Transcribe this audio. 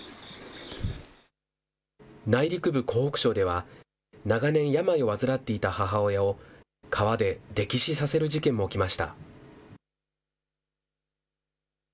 内陸部、湖北省では、長年、病を患っていた母親を川で溺死させる事件も起きました。